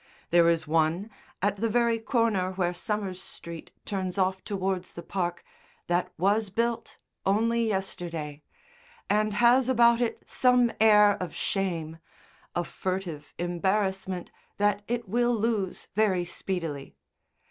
There is one, at the very corner where Somers Street turns off towards the Park, that was built only yesterday, and has about it some air of shame, a furtive embarrassment that it will lose very speedily.